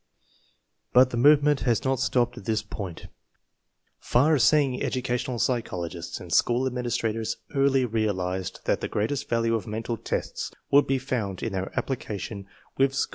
But the movement has not stopped at this point. Far seeing educational psychologists and school admin istrators early realized that the greatest value of mental tests would be found in their application with school 1 * 4.